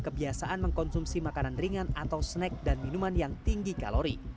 kebiasaan mengkonsumsi makanan ringan atau snack dan minuman yang tinggi kalori